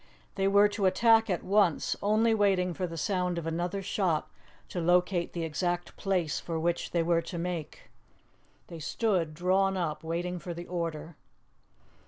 They were to attack at once, only waiting for the sound of another shot to locate the exact place for which they were to make. They stood drawn up, waiting for the order.